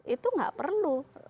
itu enggak perlu